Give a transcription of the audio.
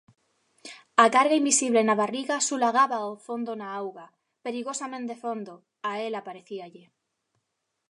A carga invisible na barriga sulagábao fondo na auga, perigosamente fondo, a ela parecíalle.